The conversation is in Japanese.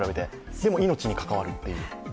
でも命に関わると。